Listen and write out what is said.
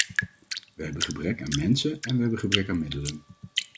We hebben gebrek aan mensen en we hebben gebrek aan middelen.